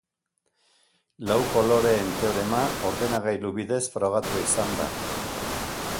Lau koloreen teorema ordenagailu bidez frogatua izan da.